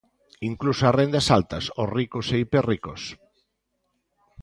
Incluso as rendas altas, os ricos e hiperricos?